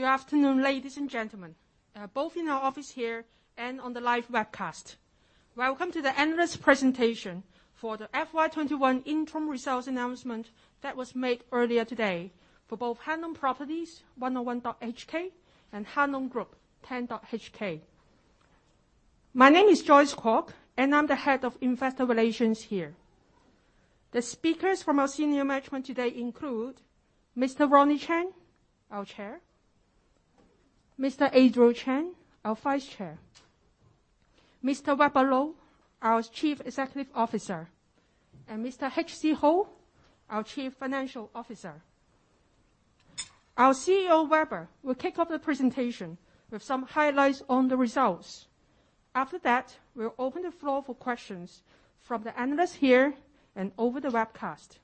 Good afternoon, ladies and gentlemen, both in our office here and on the live webcast. Welcome to the analyst presentation for the FY 2021 interim results announcement that was made earlier today for both Hang Lung Properties, 101.HK, and Hang Lung Group, 10.HK. My name is Joyce Kwock and I'm the Head of Investor Relations here. The speakers from our senior management today include Mr. Ronnie Chan, our Chair; Mr. Adriel Chan, our Vice Chair; Mr. Weber Lo, our Chief Executive Officer; and Mr. HC Ho, our Chief Financial Officer. Our CEO, Weber, will kick off the presentation with some highlights on the results. After that, we will open the floor for questions from the analysts here and over the webcast.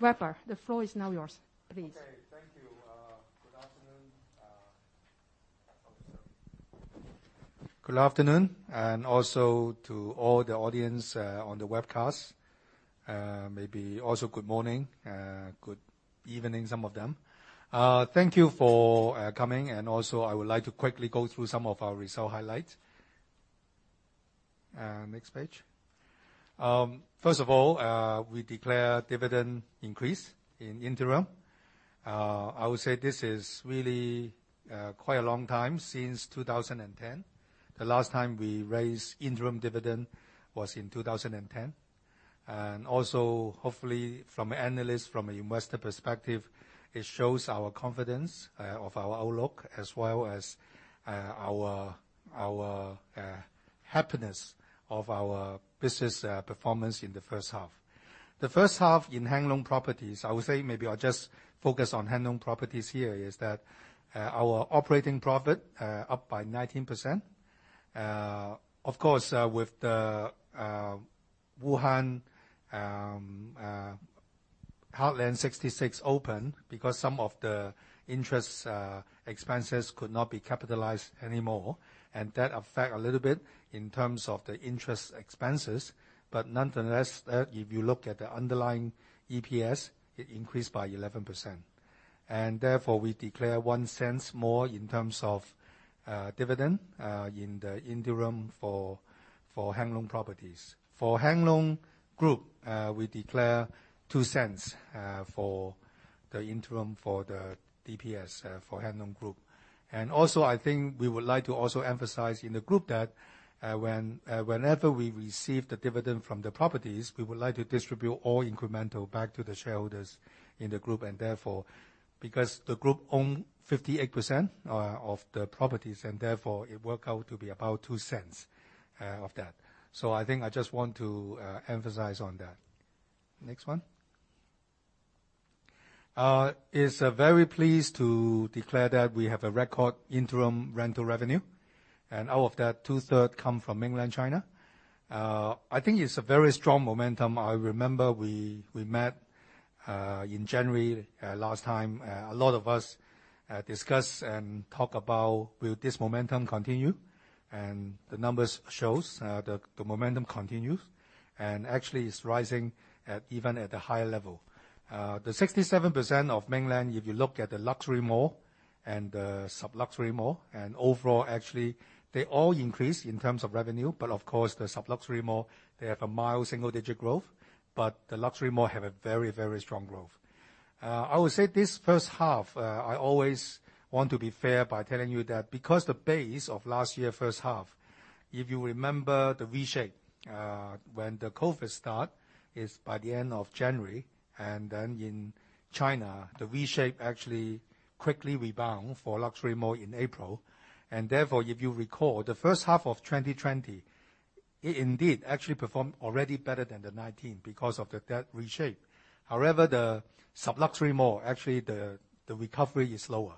Weber, the floor is now yours, please. Okay. Thank you. Good afternoon. Good afternoon, and also to all the audience on the webcast, maybe also good morning, good evening, some of them. Thank you for coming, and also I would like to quickly go through some of our result highlights. Next page. First of all, we declare dividend increase in interim. I would say this is really quite a long time, since 2010. The last time we raised interim dividend was in 2010. Hopefully from an analyst, from investor perspective, it shows our confidence of our outlook as well as our happiness of our business performance in the first half. The first half in Hang Lung Properties, I would say maybe I'll just focus on Hang Lung Properties here, is that our operating profit up by 19%. Of course, with the Wuhan Heartland 66 open, because some of the interest expenses could not be capitalized anymore, that affect a little bit in terms of the interest expenses. Nonetheless, if you look at the underlying EPS, it increased by 11%. Therefore, we declare 0.01 more in terms of dividend in the interim for Hang Lung Properties. For Hang Lung Group, we declare 0.02 for the interim for the DPS for Hang Lung Group. Also, I think we would like to also emphasize in the Group that whenever we receive the dividend from the Properties, we would like to distribute all incremental back to the shareholders in the Group. Therefore, because the Group own 58% of the Properties, and therefore it work out to be about 0.02 of that. I think I just want to emphasize on that. Next one. We are very pleased to declare that we have a record interim rental revenue, and out of that, two-third come from Mainland China. I think it's a very strong momentum. I remember we met in January last time. A lot of us discuss and talk about will this momentum continue, and the numbers show that the momentum continues and actually is rising at even at a higher level. The 67% of Mainland, if you look at the luxury mall and the sub-luxury mall, and overall, actually, they all increase in terms of revenue. Of course, the sub-luxury mall, they have a mild single-digit growth, but the luxury mall has a very strong growth. I would say this first half, I always want to be fair by telling you that because the base of last year first half, if you remember the V shape, when the COVID start is by the end of January, in China, the V shape actually quickly rebound for luxury mall in April. If you recall, the first half of 2020, it indeed actually performed already better than the 2019 because of that V-shape. However, the sub-luxury mall, actually, the recovery is slower.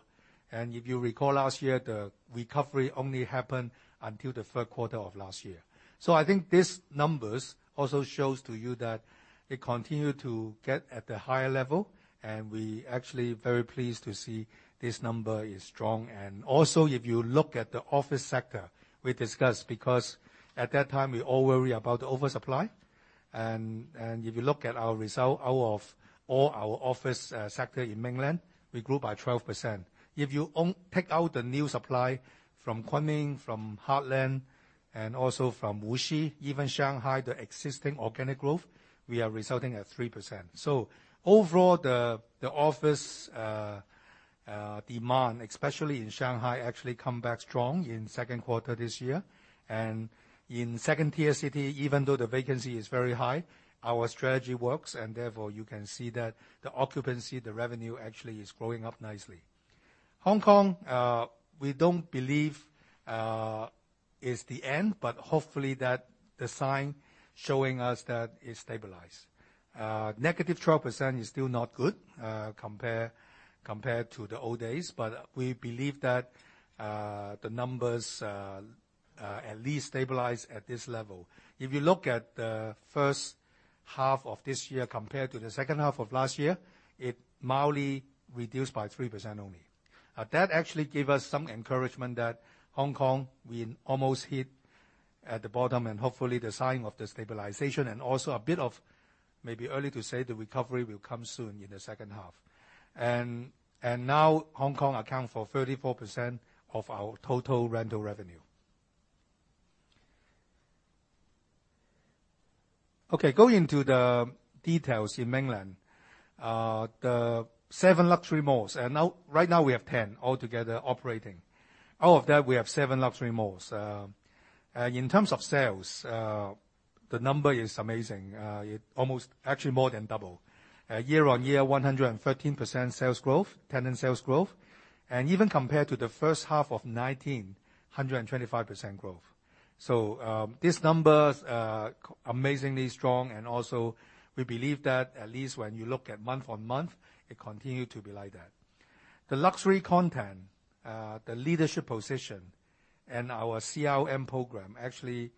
If you recall last year, the recovery only happened until the third quarter of last year. I think these numbers also shows to you that it continue to get at the higher level, and we actually very pleased to see this number is strong. If you look at the office sector, we discussed because at that time, we all worry about the oversupply. If you look at our result out of all our office sector in mainland, we grew by 12%. If you take out the new supply from Kunming, from Heartland, and also from Wuxi, even Shanghai, the existing organic growth, we are resulting at 3%. Overall, the office demand, especially in Shanghai, actually come back strong in second quarter this year. In second-tier city, even though the vacancy is very high, our strategy works, and therefore, you can see that the occupancy, the revenue actually is growing up nicely. Hong Kong, we don't believe is the end, but hopefully that the sign showing us that it stabilized. -12% is still not good compared to the old days. We believe that the numbers at least stabilize at this level. If you look at the first half of this year compared to the second half of last year, it mildly reduced by 3% only. That actually gave us some encouragement that Hong Kong, we almost hit at the bottom, and hopefully the sign of the stabilization and also a bit of, maybe early to say, the recovery will come soon in the second half. Now Hong Kong account for 34% of our total rental revenue. Okay, going into the details in mainland. The seven luxury malls. Right now we have 10 altogether operating. Out of that, we have seven luxury malls. In terms of sales, the number is amazing. Actually more than double. Year-on-year, 113% tenant sales growth. Even compared to the first half of 2019, 125% growth. These numbers are amazingly strong. We believe that at least when you look at month-on-month, it continue to be like that. The luxury content, the leadership position, and our CRM program, actually,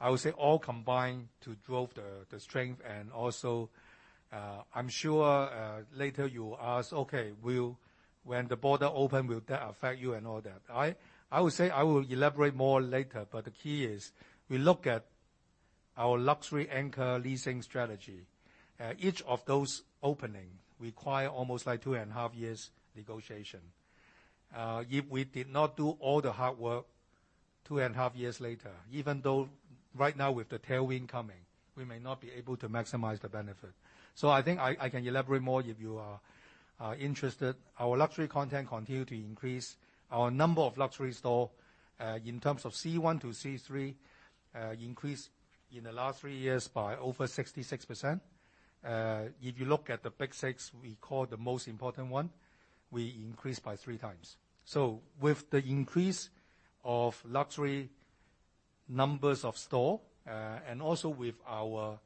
I would say all combined to drove the strength. I am sure later you ask, okay, when the border open, will that affect you and all that. I would say, I will elaborate more later. The key is we look at our luxury anchor leasing strategy. Each of those opening require almost two and a half years negotiation. If we did not do all the hard work two and a half years later, even though right now with the tailwind coming, we may not be able to maximize the benefit. I think I can elaborate more if you are interested. Our luxury content continues to increase. Our number of luxury stores, in terms of C1 to C3, increased in the last three years by over 66%. If you look at the big six we call the most important one, we increased by three times. With the increase of luxury numbers of store, and also with our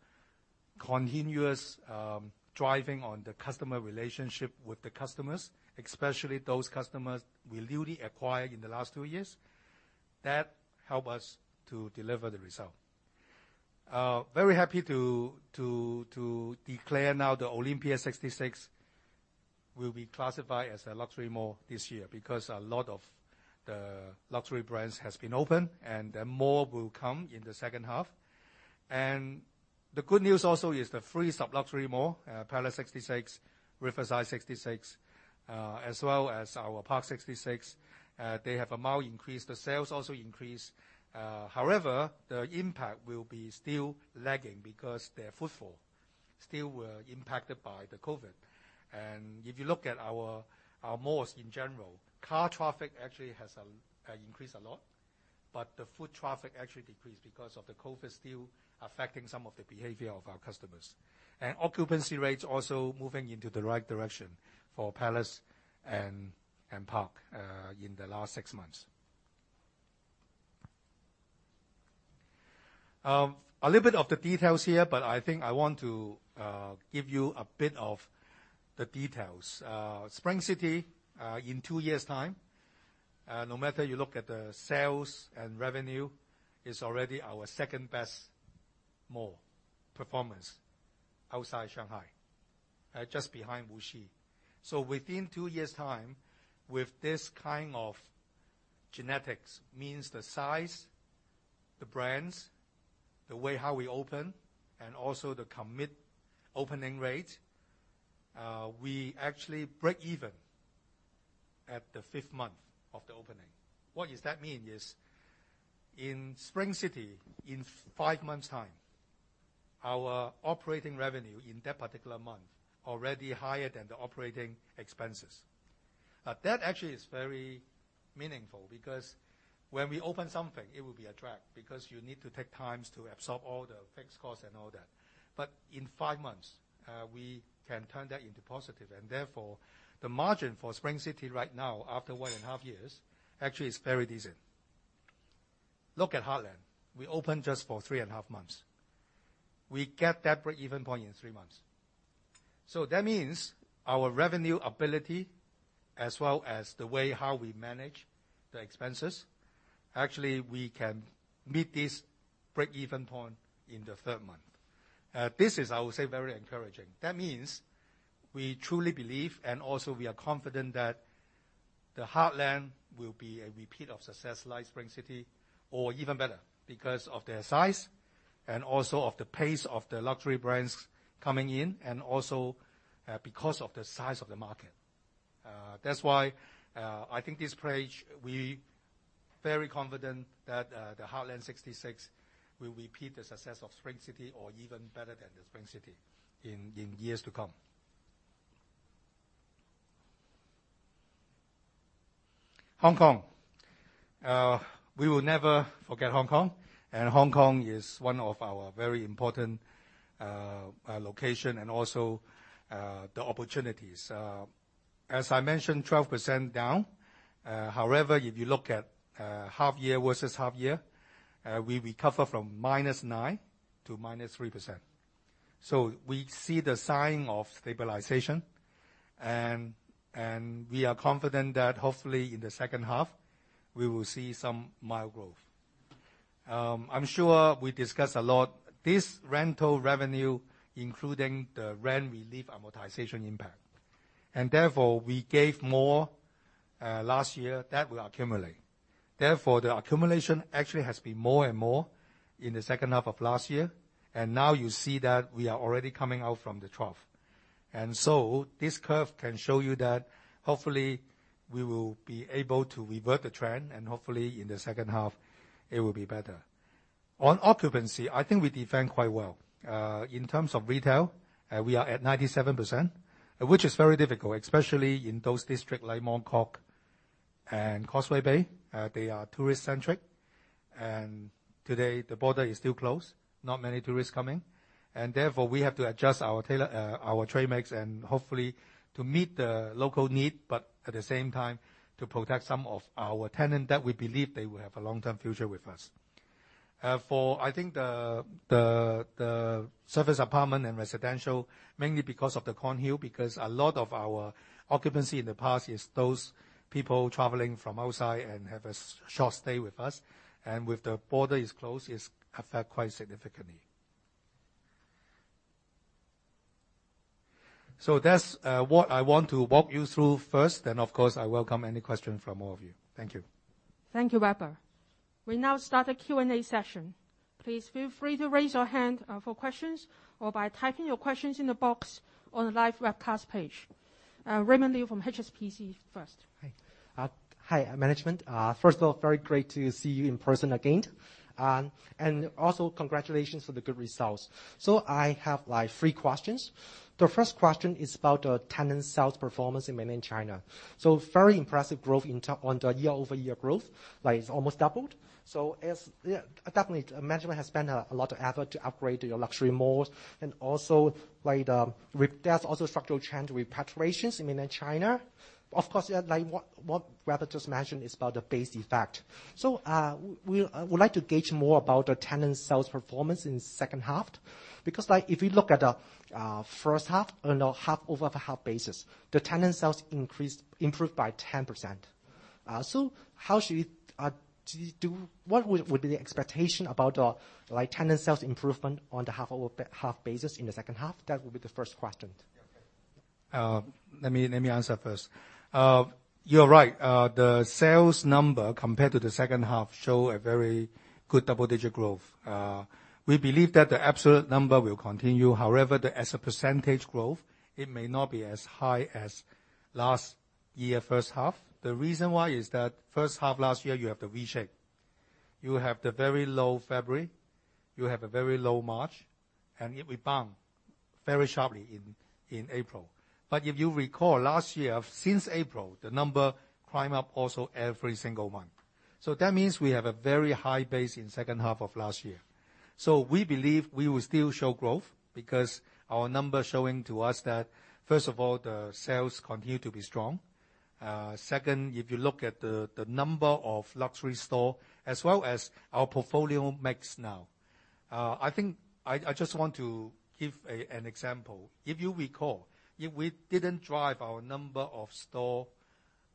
continuous driving on the customer relationship with the customers, especially those customers we newly acquired in the last two years, that helps us to deliver the result. Very happy to declare now the Olympia 66 will be classified as a luxury mall this year, because a lot of the luxury brands has been open and then more will come in the second half. The good news also is the 3 sub-luxury mall, Palace 66, Riverside 66, as well as our Parc 66, they have a mild increase, the sales also increase. However, the impact will be still lagging because their footfall still were impacted by the COVID. If you look at our malls in general, car traffic actually has increased a lot. The foot traffic actually decreased because of the COVID still affecting some of the behavior of our customers. Occupancy rates also moving into the right direction for Palace and Parc in the last six months. A little bit of the details here, but I think I want to give you a bit of the details. Spring City, in two years time, no matter you look at the sales and revenue, is already our second-best mall performance outside Shanghai, just behind Wuxi. Within two years time, with this kind of genetics, means the size, the brands, the way how we open, and also the commit opening rate, we actually break even at the fifth month of the opening. What does that mean is in Spring City, in five months time, our operating revenue in that particular month already higher than the operating expenses. That actually is very meaningful because when we open something, it will be a drag because you need to take times to absorb all the fixed costs and all that. In five months, we can turn that into positive, and therefore, the margin for Spring City right now, after one and a half years, actually is very decent. Look at Heartland. We opened just for three and a half months. We get that break-even point in three months. That means our revenue ability, as well as the way how we manage the expenses, actually we can meet this break-even point in the third month. This is, I would say, very encouraging. That means we truly believe and also we are confident that the Heartland will be a repeat of success like Spring City or even better, because of their size and also of the pace of the luxury brands coming in and also because of the size of the market. I think this page, we very confident that Heartland 66 will repeat the success of Spring City or even better than the Spring City in years to come. Hong Kong. We will never forget Hong Kong, and Hong Kong is one of our very important location and also the opportunities. As I mentioned, 12% down. If you look at half-year versus half-year, we recover from minus 9% to minus 3%. We see the sign of stabilization, and we are confident that hopefully in the second half, we will see some mild growth. I'm sure we discussed a lot. This rental revenue, including the rent relief amortization impact. Therefore, we gave more last year that will accumulate. Therefore, the accumulation actually has been more and more in the second half of last year. Now you see that we are already coming out from the trough. This curve can show you that hopefully we will be able to revert the trend and hopefully in the second half it will be better. On occupancy, I think we defend quite well. In terms of retail, we are at 97%, which is very difficult, especially in those districts like Mong Kok and Causeway Bay. They are tourist-centric and today the border is still closed, not many tourists coming. Therefore, we have to adjust our trade mix and hopefully to meet the local need, but at the same time to protect some of our tenants that we believe they will have a long-term future with us. I think the service apartment and residential, mainly because of the Kornhill because a lot of our occupancy in the past is those people traveling from outside and have a short stay with us. With the border is closed, it affects quite significantly. That's what I want to walk you through first. Of course, I welcome any question from all of you. Thank you. Thank you, Weber. We now start the Q&A session. Please feel free to raise your hand for questions or by typing your questions in the box on the live webcast page. Raymond Liu from HSBC first. Hi, management. First of all, very great to see you in person again. Congratulations for the good results. I have three questions. The first question is about the tenant sales performance in mainland China. Very impressive growth on the year-over-year growth. It's almost doubled. Definitely, management has spent a lot of effort to upgrade your luxury malls and also there's also structural change repatriations in mainland China. Of course, what Weber just mentioned is about the base effect. We would like to gauge more about the tenant sales performance in the second half. Because if you look at the first half, on a half-over-half basis, the tenant sales improved by 10%. What would be the expectation about tenant sales improvement on the half-over-half basis in the second half? That would be the first question. Let me answer first. You're right. The sales number compared to the second half show a very good double-digit growth. We believe that the absolute number will continue. However, as a percentage growth, it may not be as high as last year first half. The reason why is that first half last year you have the V-shape. You have the very low February, you have a very low March, and it rebound very sharply in April. If you recall, last year since April, the number climb up also every single month. That means we have a very high base in second half of last year. We believe we will still show growth because our numbers showing to us that first of all, the sales continue to be strong. Second, if you look at the number of luxury store as well as our portfolio mix now. I think I just want to give an example. If you recall, we didn't drive our number of store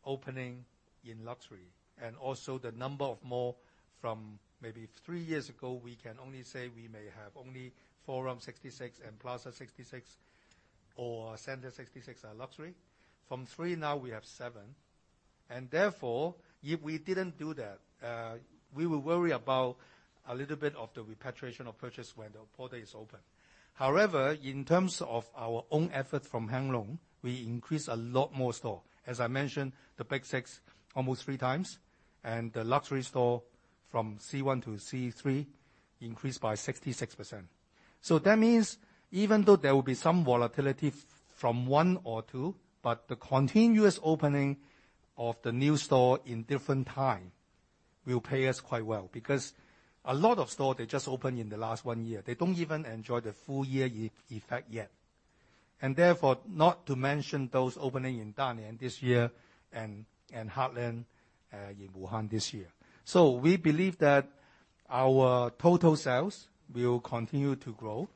opening in luxury and also the number of mall from maybe three years ago, we can only say we may have only Forum 66 and Plaza 66 or Center 66 are luxury. From three now we have seven. Therefore, if we didn't do that, we will worry about a little bit of the repatriation of purchase when the border is open. However, in terms of our own efforts from Hang Lung, we increase a lot more store. As I mentioned, the Big Six almost three times and the luxury store from C1 to C3 increased by 66%. That means even though there will be some volatility from one or two, but the continuous opening of the new store in different time will pay us quite well because a lot of store they just opened in the last one year. They don't even enjoy the full year effect yet. Therefore, not to mention those opening in Dalian this year and Heartland in Wuhan this year. We believe that our total sales will continue to grow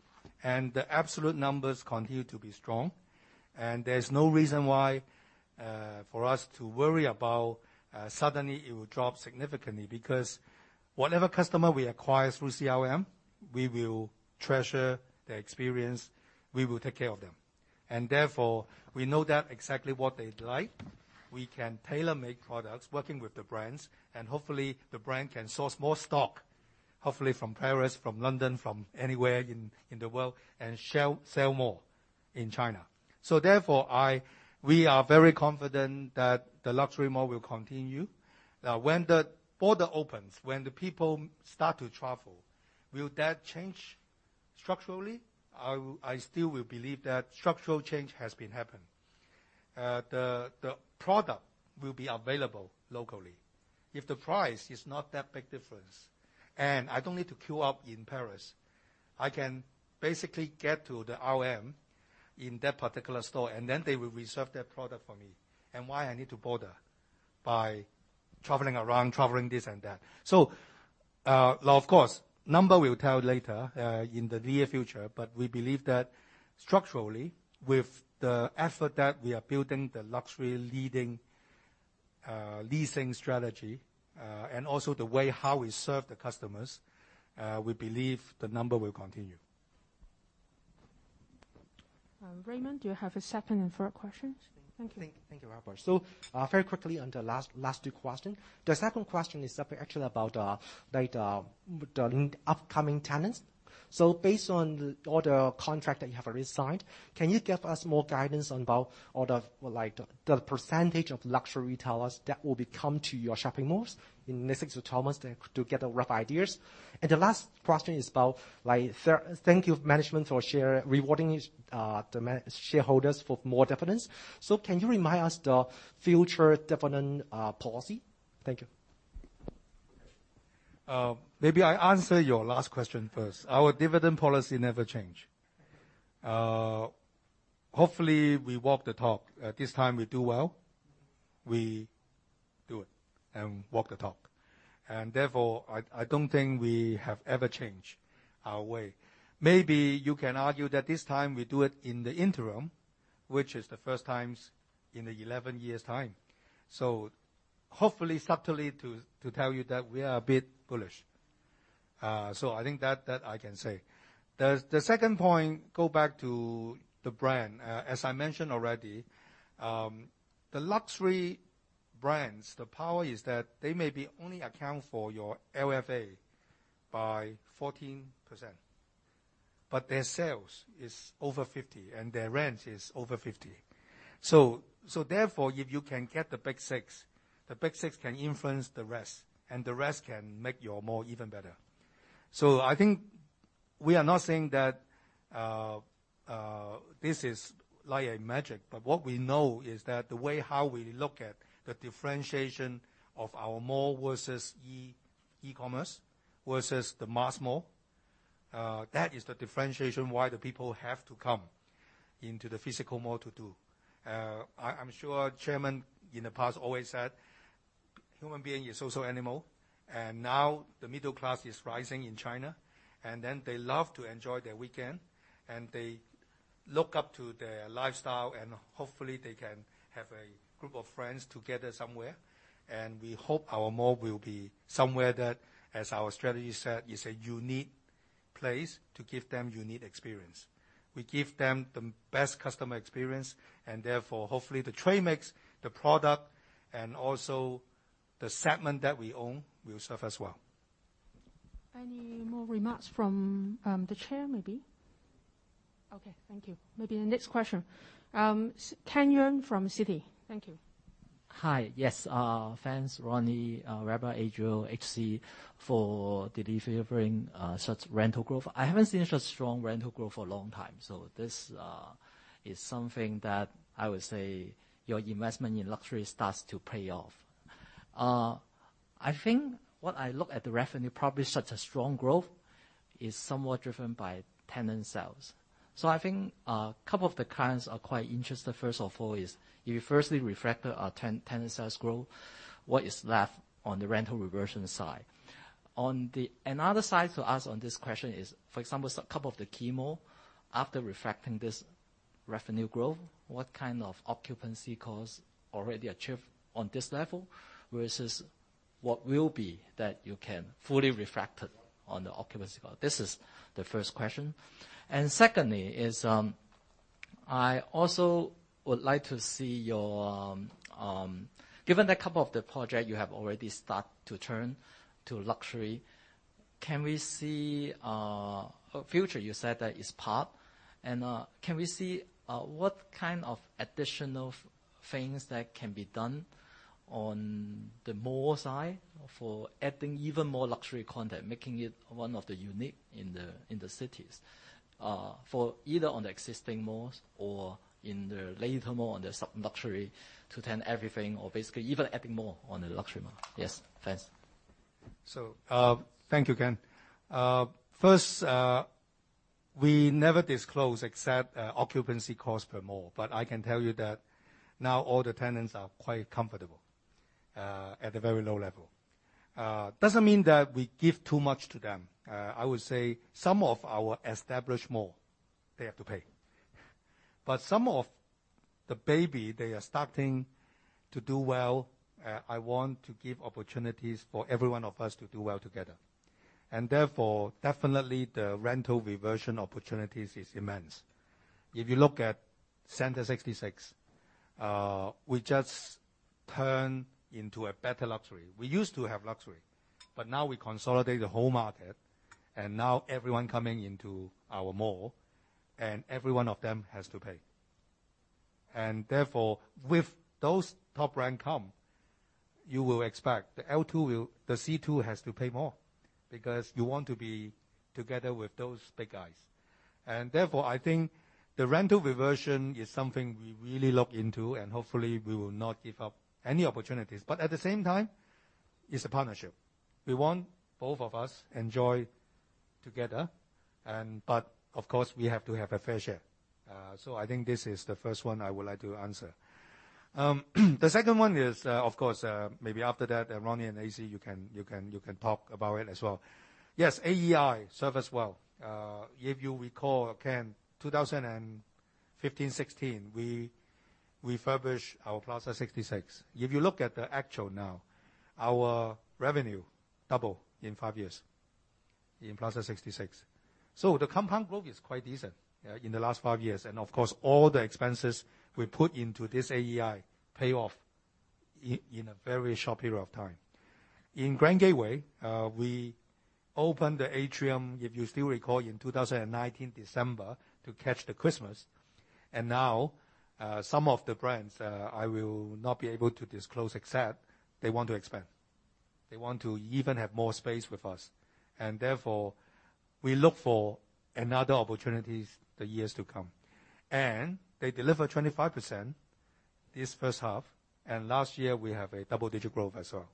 and the absolute numbers continue to be strong. There's no reason why for us to worry about suddenly it will drop significantly because whatever customer we acquire through CRM, we will treasure their experience, we will take care of them. Therefore, we know that exactly what they like. We can tailor-make products working with the brands and hopefully the brand can source more stock, hopefully from Paris, from London, from anywhere in the world and sell more in China. Therefore, we are very confident that the luxury mall will continue. When the border opens, when the people start to travel, will that change structurally? I still will believe that structural change has been happening. The product will be available locally. If the price is not that big difference and I don't need to queue up in Paris, I can basically get to the RM in that particular store and then they will reserve that product for me. Why I need to bother by traveling around, traveling this and that. Of course, number will tell later in the near future, but we believe that structurally with the effort that we are building the luxury leasing strategy, and also the way how we serve the customers, we believe the number will continue. Raymond, do you have a second and third question? Thank you. Thank you, Weber Lo. Very quickly on the last second questions. The second question is actually about the upcoming tenants. Based on all the contract that you have signed, can you give us more guidance about the percentage of luxury retailers that will be coming to your shopping malls, in metrics to total mass, to get rough ideas. The last question is about, Thank you, management for rewarding the shareholders for more dividends. Can you remind us the future dividend policy? Thank you. Maybe I answer your last question first. Our dividend policy never change. Hopefully we walk the talk. This time we do well. We do it and walk the talk. Therefore, I don't think we have ever changed our way. Maybe you can argue that this time we do it in the interim, which is the first time in 11 years. Hopefully subtly to tell you that we are a bit bullish. I think that I can say. The second point, go back to the brand. As I mentioned already, the luxury brands, the power is that they maybe only account for your LFA by 14%, but their sales is over 50%, and their rent is over 50%. Therefore, if you can get the big six, the big six can influence the rest, and the rest can make your mall even better. I think we are not saying that this is like magic. What we know is that the way how we look at the differentiation of our mall versus e-commerce, versus the mass mall, that is the differentiation why the people have to come into the physical mall to do. I am sure Chairman in the past always said human being is social animal, and now the middle class is rising in China, and then they love to enjoy their weekend, and they look up to their lifestyle, and hopefully they can have a group of friends together somewhere. We hope our mall will be somewhere that, as our strategy said, it is a unique place to give them unique experience. We give them the best customer experience, and therefore, hopefully the trade mix, the product, and also the segment that we own will serve as well. Any more remarks from the Chair, maybe? Okay, thank you. Maybe the next question. Ken Yeung from Citi. Thank you. Hi. Yes, thanks, Ronnie Chan, Weber Lo, Adriel Chan, HC Ho, for delivering such rental growth. I haven't seen such strong rental growth for a long time, so this is something that I would say your investment in luxury starts to pay off. I think when I look at the revenue, probably such a strong growth is somewhat driven by tenant sales. I think a couple of the clients are quite interested. First of all is, if you firstly factor our tenant sales growth, what is left on the rental reversion side? Another side to ask on this question is, for example, a couple of the key mall, after factoring this revenue growth, what kind of occupancy costs already achieved on this level, versus what will be that you can fully factor it on the occupancy cost? This is the first question. Secondly is, I also would like to see, given a couple of the project you have already start to turn to luxury, can we see a future you said that is Parc, and can we see what kind of additional things that can be done on the mall side for adding even more luxury content, making it one of the unique in the cities? For either on the existing malls or in the later mall, on the sub-luxury to turn everything or basically even adding more on the luxury mall. Yes, thanks. Thank you, Ken. First, we never disclose except occupancy cost per mall. I can tell you that now all the tenants are quite comfortable, at a very low level. Doesn't mean that we give too much to them. I would say some of our established mall, they have to pay. Some of the baby, they are starting to do well. I want to give opportunities for every one of us to do well together. Therefore, definitely the rental reversion opportunities is immense. If you look at Center 66, we just turn into a better luxury. We used to have luxury. Now we consolidate the whole market, and now everyone coming into our mall, and every one of them has to pay. Therefore, with those top brand come, you will expect the C2 has to pay more because you want to be together with those big guys. Therefore, I think the rental reversion is something we really look into, and hopefully, we will not give up any opportunities. At the same time, it's a partnership. We want both of us enjoy together. Of course, we have to have a fair share. I think this is the first one I would like to answer. The second one is, of course, maybe after that, Ronnie and HC, you can talk about it as well. Yes, AEI serve us well. If you recall, Ken, 2015, '16, we refurbished our Plaza 66. If you look at the actual now, our revenue double in five years in Plaza 66. The compound growth is quite decent in the last five years. Of course, all the expenses we put into this AEI pay off in a very short period of time. In Grand Gateway, we opened the atrium, if you still recall, in 2019 December to catch the Christmas. Now some of the brands, I will not be able to disclose, except they want to expand. They want to even have more space with us. Therefore, we look for another opportunities the years to come. They deliver 25% this first half, and last year we have a double-digit growth as well.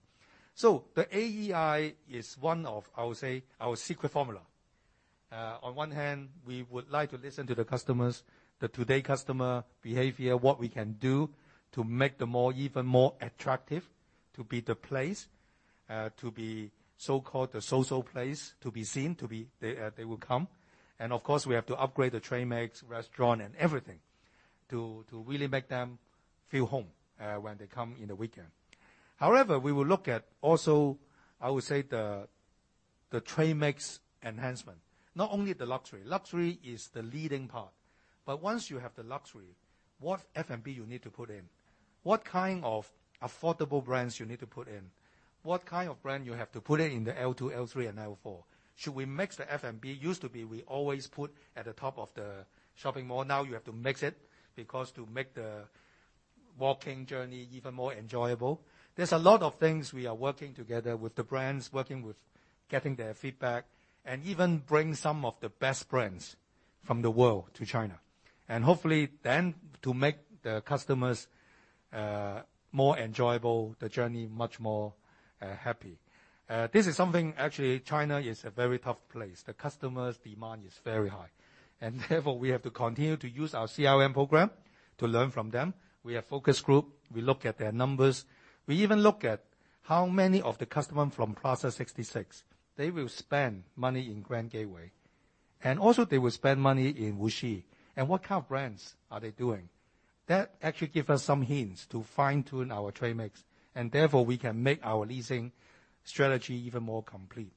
The AEI is one of, I would say, our secret formula. On one hand, we would like to listen to the customers, the today customer behavior, what we can do to make them even more attractive, to be the place, to be so-called the social place to be seen, they will come. Of course, we have to upgrade the trade mix, restaurant, and everything to really make them feel home when they come in the weekend. However, we will look at also, I would say the trade mix enhancement. Not only the luxury. Luxury is the leading part, but once you have the luxury, what F&B you need to put in? What kind of affordable brands you need to put in? What kind of brand you have to put in in the L2, L3, and L4? Should we mix the F&B? Used to be, we always put at the top of the shopping mall. Now you have to mix it because to make the walking journey even more enjoyable. There's a lot of things we are working together with the brands, working with getting their feedback and even bring some of the best brands from the world to China. Hopefully then to make the customers more enjoyable, the journey much more happy. This is something actually China is a very tough place. The customers' demand is very high, and therefore, we have to continue to use our CRM program to learn from them. We have focus group, we look at their numbers. We even look at how many of the customer from Plaza 66, they will spend money in Grand Gateway, and also they will spend money in Wuxi. What kind of brands are they doing? That actually give us some hints to fine-tune our trade mix, and therefore, we can make our leasing strategy even more complete.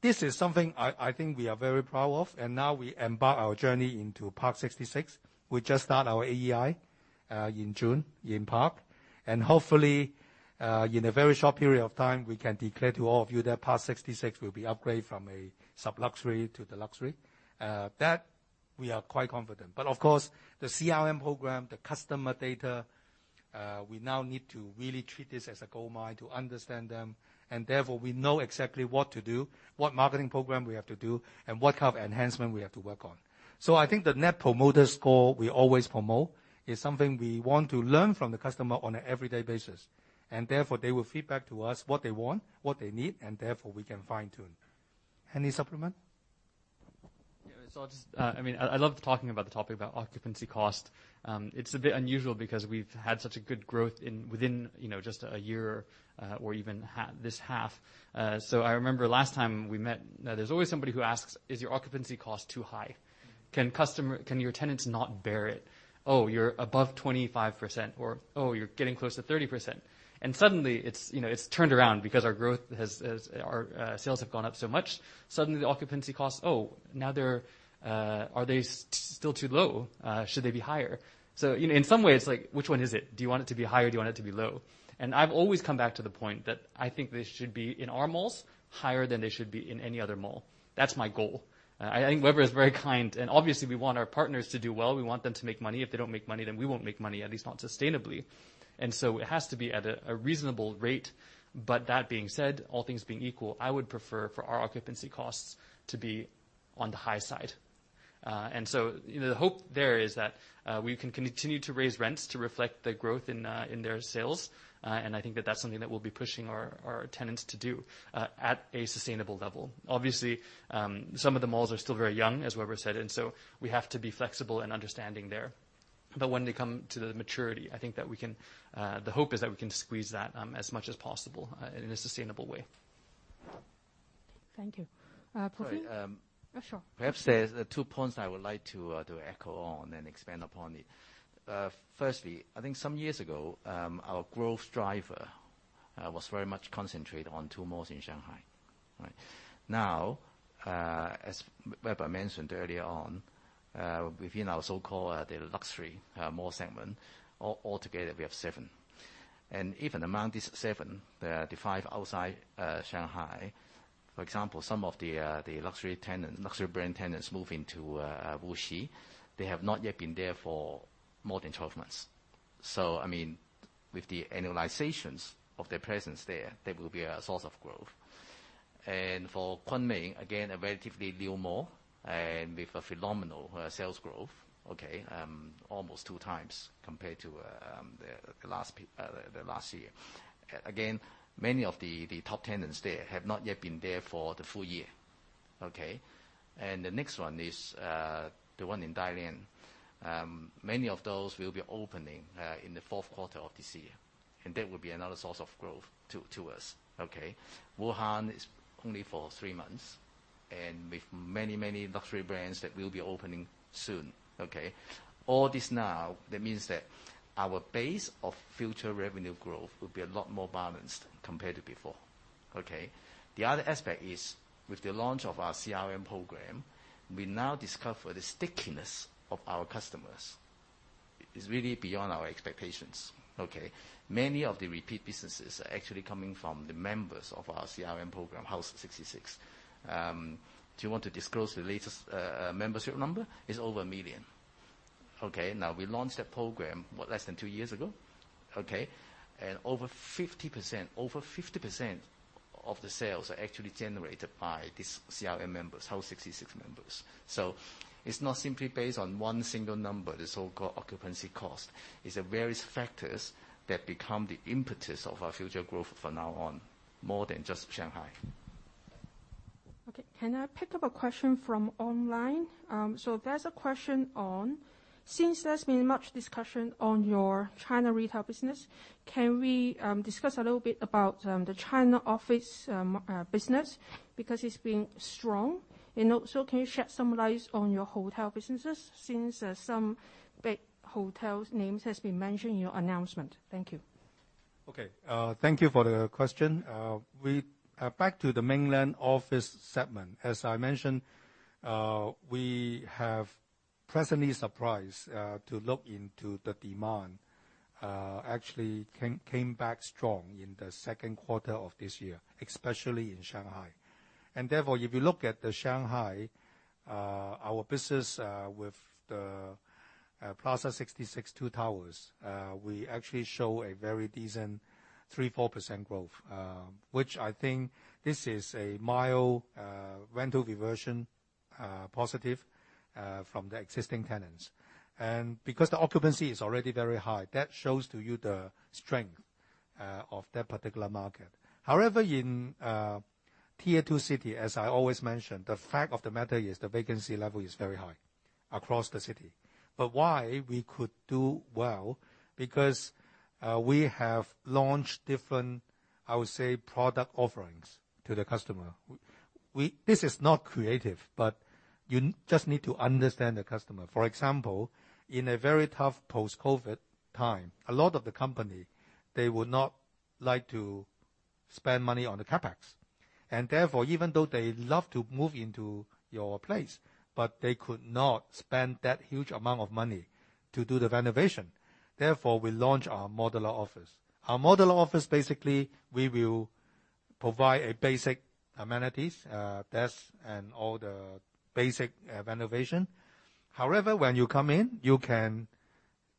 This is something I think we are very proud of. Now we embark our journey into Parc 66. We just start our AEI in June in Parc. Hopefully, in a very short period of time, we can declare to all of you that Parc 66 will be upgraded from a sub-luxury to the luxury. That we are quite confident. Of course, the CRM program, the customer data, we now need to really treat this as a goldmine to understand them. Therefore, we know exactly what to do, what marketing program we have to do, and what kind of enhancement we have to work on. I think the net promoter score we always promote is something we want to learn from the customer on an everyday basis, and therefore, they will feedback to us what they want, what they need, and therefore, we can fine-tune. Any supplement? Yeah. I love talking about the topic about occupancy cost. It's a bit unusual because we've had such a good growth within just a year or even this half. I remember last time we met, there's always somebody who asks, "Is your occupancy cost too high? Can your tenants not bear it? Oh, you're above 25%. "Or, "Oh, you're getting close to 30%." Suddenly it's turned around because our sales have gone up so much. Suddenly the occupancy cost, "Oh, now are they still too low? Should they be higher?" In some way it's like, which one is it? Do you want it to be high or do you want it to be low? I've always come back to the point that I think they should be, in our malls, higher than they should be in any other mall. That's my goal. I think Weber is very kind and obviously we want our partners to do well. We want them to make money. If they don't make money, then we won't make money, at least not sustainably. It has to be at a reasonable rate. All things being equal, I would prefer for our occupancy costs to be on the high side. The hope there is that we can continue to raise rents to reflect the growth in their sales. That that's something that we'll be pushing our tenants to do at a sustainable level. Obviously, some of the malls are still very young, as Weber said, and so we have to be flexible and understanding there. When they come to the maturity, the hope is that we can squeeze that as much as possible in a sustainable way. Thank you. Praveen? Sorry. Oh, sure. Perhaps there's two points I would like to echo on and expand upon it. Firstly, I think some years ago, our growth driver was very much concentrated on two malls in Shanghai. Right. As Weber mentioned earlier on, within our so-called the luxury mall segment, altogether we have seven. Even among these seven, the five outside Shanghai, for example, some of the luxury brand tenants move into Wuxi. They have not yet been there for more than 12 months. I mean, with the annualizations of their presence there, they will be a source of growth. For Kunming, again, a relatively new mall and with a phenomenal sales growth, okay, almost two times compared to the last year. Again, many of the top tenants there have not yet been there for the full year. Okay. The next one is the one in Dalian. Many of those will be opening in the fourth quarter of this year, and that will be another source of growth to us. Okay. Wuhan is only for three months. With many, many luxury brands that we'll be opening soon. Okay. All this now, that means that our base of future revenue growth will be a lot more balanced compared to before. Okay. The other aspect is with the launch of our CRM program, we now discover the stickiness of our customers is really beyond our expectations. Okay. Many of the repeat businesses are actually coming from the members of our CRM program, HOUSE 66. Do you want to disclose the latest membership number? It's over one million. Okay, now we launched that program, what, less than two years ago? Okay, and over 50% of the sales are actually generated by these CRM members, HOUSE 66 members. It's not simply based on one single number, the so-called occupancy cost. It's various factors that become the impetus of our future growth from now on, more than just Shanghai. Okay, can I pick up a question from online? There's a question on, since there's been much discussion on your China retail business, can we discuss a little bit about the China office business because it's been strong? Also, can you shed some light on your hotel businesses since some big hotel names have been mentioned in your announcement? Thank you. Okay. Thank you for the question. Back to the mainland office segment. As I mentioned, we have presently surprised to look into the demand. Actually came back strong in the second quarter of this year, especially in Shanghai. Therefore, if you look at Shanghai, our business with the Plaza 66 two towers, we actually show a very decent 3% to 4% growth, which I think this is a mild rental reversion positive from the existing tenants. Because the occupancy is already very high, that shows to you the strength of that particular market. However, in a Tier 2 city, as I always mention, the fact of the matter is the vacancy level is very high across the city. Why we could do well, because we have launched different, I would say, product offerings to the customer. This is not creative, but you just need to understand the customer. For example, in a very tough post-COVID time, a lot of the company, they would not like to spend money on the CapEx. Therefore, even though they love to move into your place, but they could not spend that huge amount of money to do the renovation. Therefore, we launch our modular office. Our modular office, basically, we will provide basic amenities, desks, and all the basic renovation. However, when you come in, you can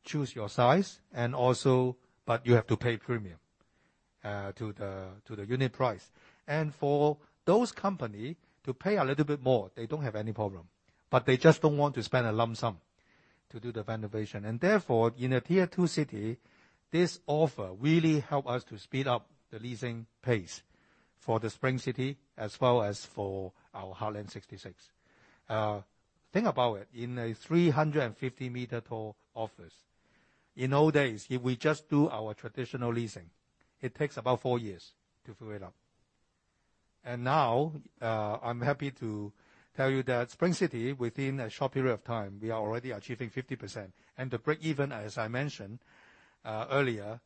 choose your size, but you have to pay premium to the unit price. For those company to pay a little bit more, they don't have any problem. They just don't want to spend a lump sum to do the renovation. Therefore, in a Tier 2 city, this offer really help us to speed up the leasing pace for the Spring City as well as for our Heartland 66. Think about it, in a 350-meter tall office. In old days, if we just do our traditional leasing, it takes about four years to fill it up. Now, I'm happy to tell you that Spring City, within a short period of time, we are already achieving 50%. The breakeven, as I mentioned earlier,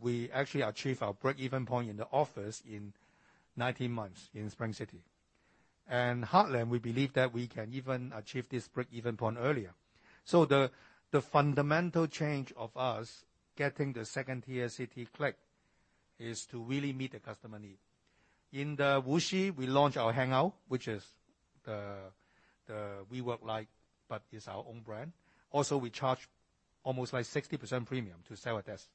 we actually achieve our breakeven point in the office in 19 months in Spring City. Heartland, we believe that we can even achieve this breakeven point earlier. The fundamental change of us getting the second-tier city click is to really meet the customer need. In Wuxi, we launch our HANGOUT, which is the WeWork-like, but is our own brand. Also, we charge almost 60% premium to sell a desk.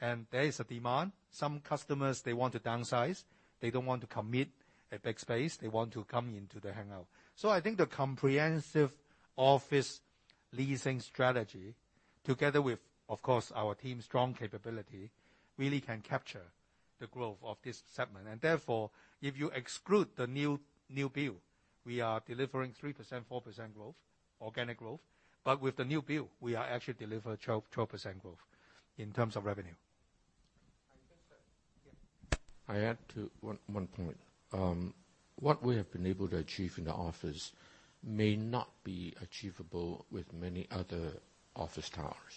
There is a demand. Some customers, they want to downsize. They don't want to commit a big space. They want to come into the HANGOUT. I think the comprehensive office leasing strategy together with, of course, our team's strong capability, really can capture the growth of this segment. Therefore, if you exclude the new build, we are delivering 3%, 4% growth, organic growth. With the new build, we are actually delivering 12% growth in terms of revenue. I think that Yeah. I add one point. What we have been able to achieve in the office may not be achievable with many other office towers.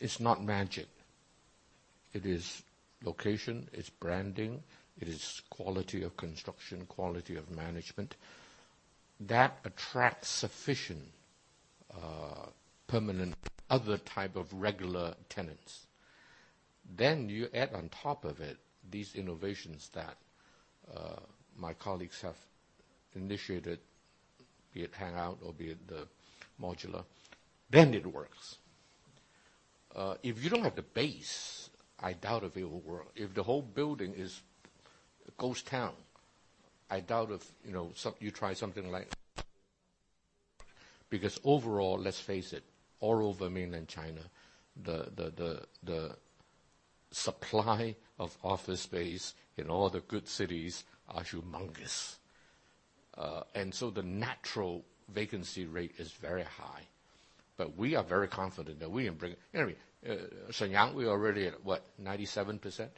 It's not magic. It is location, it's branding, it is quality of construction, quality of management. That attracts sufficient permanent other type of regular tenants. You add on top of it these innovations that my colleagues have initiated, be it HANGOUT or be it the modular, then it works. If you don't have the base, I doubt if it will work. If the whole building is a ghost town. Because overall, let's face it, all over mainland China, the supply of office space in all the good cities are humongous. The natural vacancy rate is very high. We are very confident that we can bring Anyway, Shenyang, we are already at what, 97%?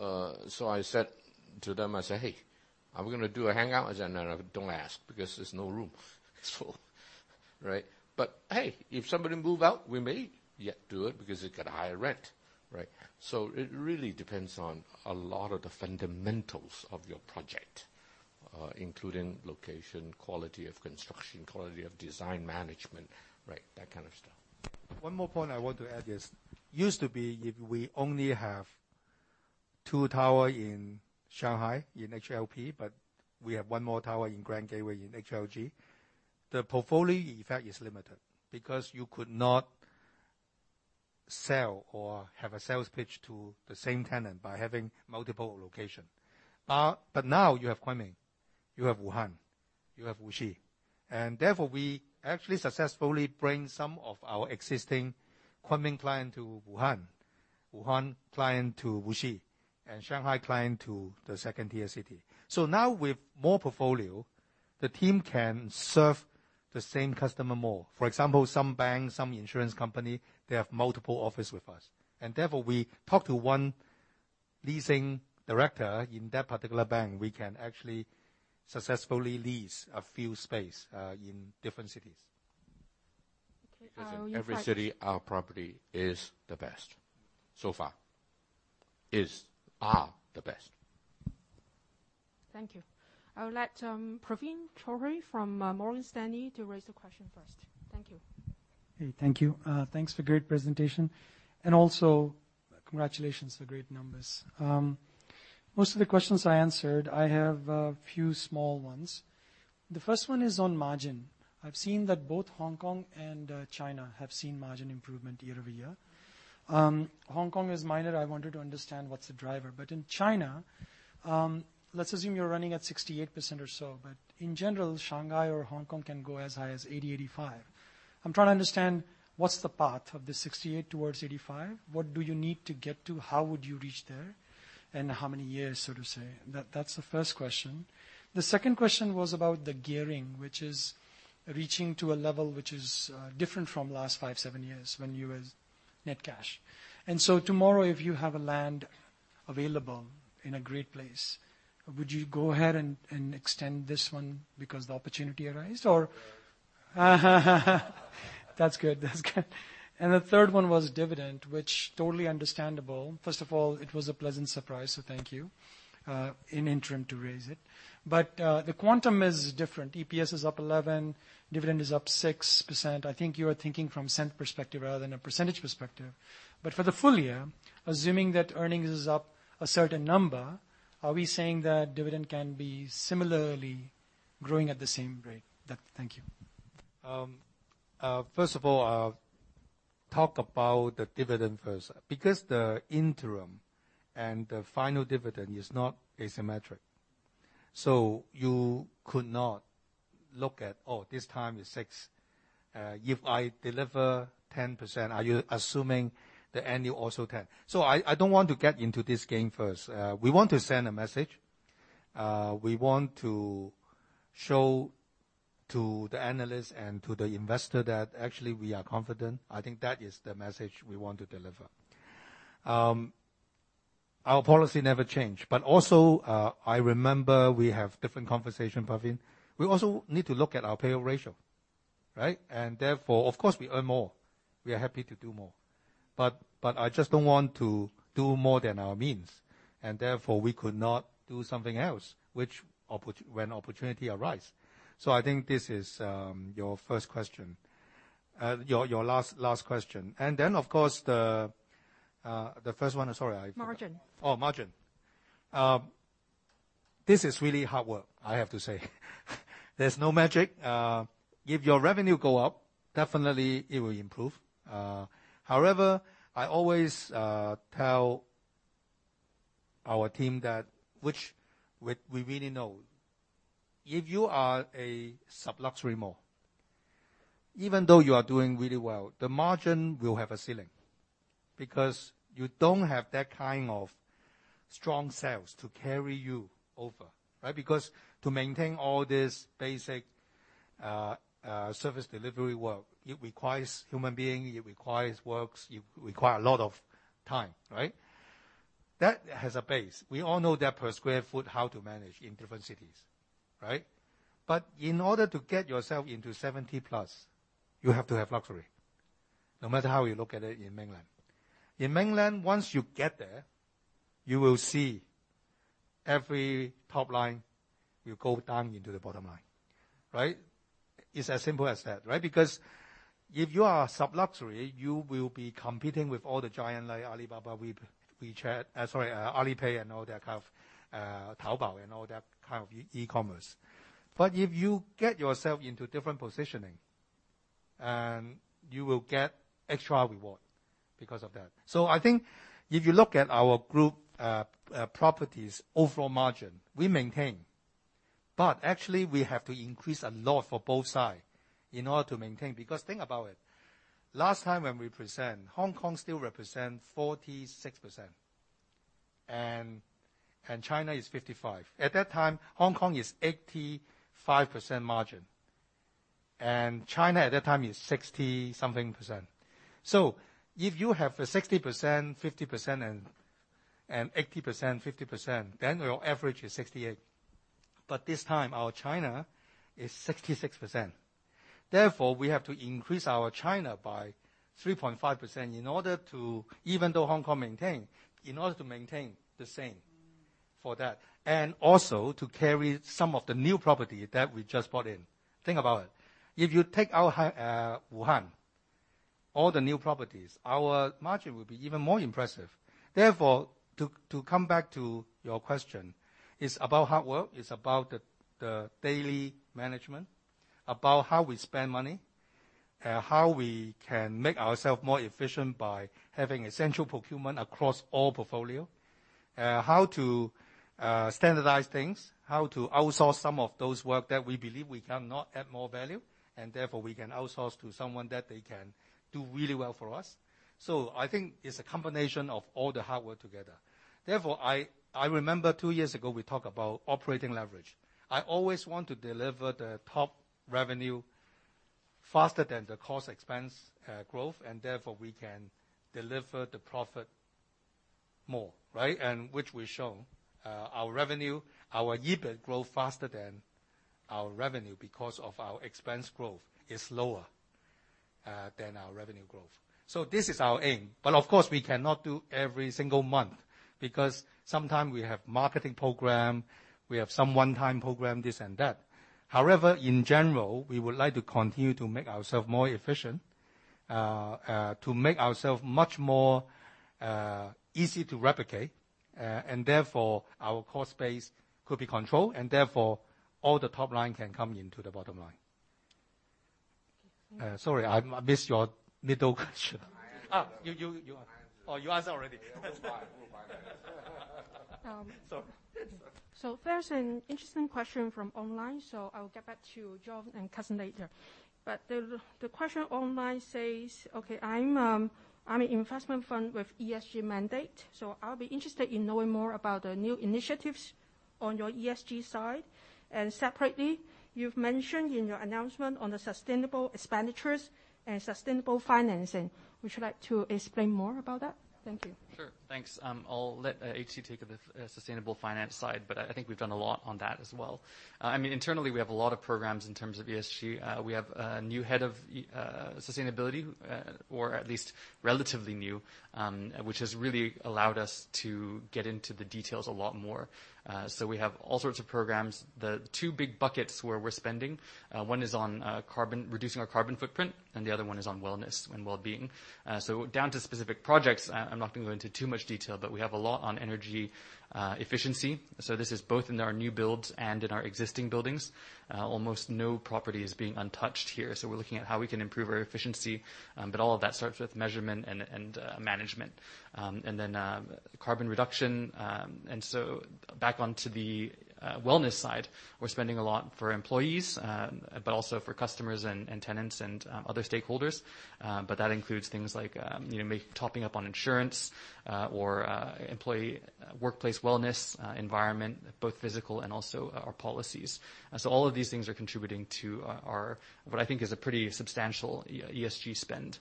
I said to them, I say, "Hey, are we going to do a HANGOUT?" They said, "No, don't ask because there's no room." It's full. Right. Hey, if somebody move out, we may yet do it because it got higher rent. Right. It really depends on a lot of the fundamentals of your project, including location, quality of construction, quality of design management, right? That kind of stuff. One more point I want to add is, used to be, if we only have two tower in Shanghai, in HLP, but we have one more tower in Grand Gateway in HLG. The portfolio effect is limited because you could not sell or have a sales pitch to the same tenant by having multiple location. Now you have Kunming, you have Wuhan, you have Wuxi, and therefore we actually successfully bring some of our existing Kunming client to Wuhan client to Wuxi, and Shanghai client to the second tier city. Now with more portfolio, the team can serve the same customer more. For example, some banks, some insurance company, they have multiple office with us. Therefore, we talk to one leasing director in that particular bank. We can actually successfully lease a few space in different cities. Because in every city, our property is the best so far. Are the best. Thank you. I would let Praveen Choudhary from Morgan Stanley to raise the question first. Thank you. Thank you. Thanks for great presentation and also congratulations for great numbers. Most of the questions are answered. I have a few small ones. The first one is on margin. I've seen that both Hong Kong and China have seen margin improvement year-over-year. Hong Kong is minor. I wanted to understand what's the driver. In China, let's assume you're running at 68% or so, in general, Shanghai or Hong Kong can go as high as 80%-85%. I'm trying to understand what's the path of the 68% towards 85%. What do you need to get to? How would you reach there? How many years, so to say? That's the first question. The second question was about the gearing, which is reaching to a level which is different from last five to seven years when you was net cash. Tomorrow, if you have a land available in a great place, would you go ahead and extend this one because the opportunity arise or that's good. The third one was dividend, which totally understandable. First of all, it was a pleasant surprise, so thank you, in interim, to raise it. The quantum is different. EPS is up 11%, dividend is up 6%. I think you are thinking from cent perspective rather than a percentage perspective. For the full year, assuming that earnings is up a certain number, are we saying that dividend can be similarly growing at the same rate? Thank you. First of all, I'll talk about the dividend first. The interim and the final dividend is not asymmetric. You could not look at, oh, this time it's six. If I deliver 10%, are you assuming the annual also 10? I don't want to get into this game first. We want to send a message. We want to show to the analyst and to the investor that actually we are confident. I think that is the message we want to deliver. Our policy never change. Also, I remember we have different conversation, Praveen. We also need to look at our payout ratio, right? Therefore, of course, we earn more. We are happy to do more. I just don't want to do more than our means. Therefore, we could not do something else, when opportunity arise. I think this is your first question, your last question. Then, of course, the first one. Sorry, I forgot. Magic. Oh, margin. This is really hard work, I have to say. There's no magic. If your revenue go up, definitely it will improve. However, I always tell our team that which we really know. If you are a sub-luxury mall, even though you are doing really well, the margin will have a ceiling because you don't have that kind of strong sales to carry you over, right? Because to maintain all this basic service delivery work, it requires human being, it requires works, it require a lot of time, right? That has a base. We all know that per square foot how to manage in different cities, right? But in order to get yourself into 70-plus, you have to have luxury. No matter how you look at it in mainland. In mainland, once you get there, you will see every top line will go down into the bottom line, right. It's as simple as that, right. Because if you are sub-luxury, you will be competing with all the giant like Alibaba, WeChat, sorry, Alipay and all that kind of Taobao and all that kind of e-commerce. If you get yourself into different positioning, and you will get extra reward because of that. I think if you look at our group properties overall margin, we maintain. Actually we have to increase a lot for both side in order to maintain, because think about it. Last time when we present, Hong Kong still represent 46%. China is 55%. At that time, Hong Kong is 85% margin, and China at that time is 60-somethingpercent. If you have a 60%, 50% and 80%, 50%, then your average is 68%. This time, our China is 66%. Therefore, we have to increase our China by 3.5%, even though Hong Kong maintained, in order to maintain the same for that, and also to carry some of the new property that we just bought in. Think about it. If you take out Wuhan, all the new properties, our margin would be even more impressive. Therefore, to come back to your question, it's about hard work. It's about the daily management, about how we spend money, how we can make ourselves more efficient by having a central procurement across all portfolio. How to standardize things, how to outsource some of those work that we believe we cannot add more value, and therefore we can outsource to someone that they can do really well for us. I think it's a combination of all the hard work together. I remember two years ago, we talked about operating leverage. I always want to deliver the top revenue faster than the cost expense growth, therefore we can deliver the profit more, right? Which we've shown. Our EBIT growth faster than our revenue because of our expense growth is lower than our revenue growth. This is our aim. Of course, we cannot do every single month, because sometimes we have marketing program, we have some one-time program, this and that. However, in general, we would like to continue to make ourselves more efficient, to make ourselves much more easy to replicate, therefore our cost base could be controlled, therefore all the top line can come into the bottom line. Sorry, I missed your middle question. I answered. Oh, you answered already. Yeah, we're fine. We're fine. There's an interesting question from online, so I'll get back to Joyce and Cusson later. The question online says, "Okay, I'm an investment fund with ESG mandate, so I'll be interested in knowing more about the new initiatives on your ESG side. Separately, you've mentioned in your announcement on the sustainable expenditures and sustainable financing. Would you like to explain more about that? Thank you. Sure. Thanks. I'll let HC take the sustainable finance side, but I think we've done a lot on that as well. Internally, we have a lot of programs in terms of ESG. We have a new head of sustainability, or at least relatively new, which has really allowed us to get into the details a lot more. We have all sorts of programs. The two big buckets where we're spending, one is on reducing our carbon footprint, and the other one is on wellness and wellbeing. Down to specific projects, I'm not going to go into too much detail, but we have a lot on energy efficiency. This is both in our new builds and in our existing buildings. Almost no property is being untouched here. We're looking at how we can improve our efficiency. All of that starts with measurement and management. Carbon reduction. Back onto the wellness side, we're spending a lot for employees, but also for customers and tenants and other stakeholders. That includes things like topping up on insurance or employee workplace wellness environment, both physical and also our policies. All of these things are contributing to our, what I think is a pretty substantial ESG spend.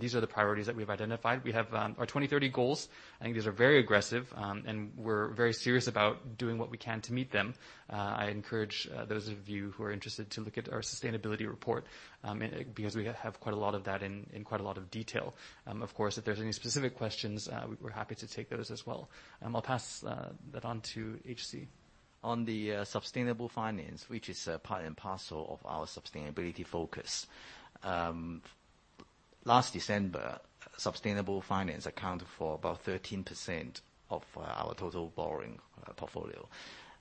These are the priorities that we've identified. We have our 2030 goals. I think these are very aggressive, and we're very serious about doing what we can to meet them. I encourage those of you who are interested to look at our sustainability report, because we have quite a lot of that in quite a lot of detail. If there's any specific questions, we're happy to take those as well. I'll pass that on to HC. On the sustainable finance, which is part and parcel of our sustainability focus. Last December, sustainable finance accounted for about 13% of our total borrowing portfolio.